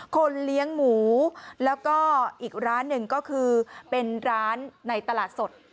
คนเลี้ยงหมูแล้วก็อีกร้านหนึ่งก็คือเป็นร้านในตลาดสด